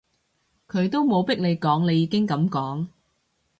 佢都冇逼你講，你已經噉講